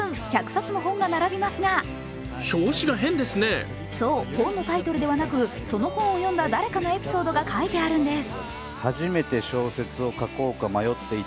１００冊の本が並びますがはい、本のタイトルではなくその本を書いた誰かのエピソードが書かれているんです。